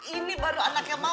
ini baru anaknya mama cocok